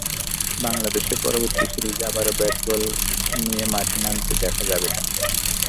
বাংলাদেশের পরবর্তী সিরিজে আবারও ব্যাট-বল নিয়ে মাঠে নামতে দেখা যাবে তাঁকে।